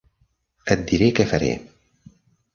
Et diré que faré.